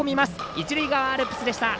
一塁側アルプスでした。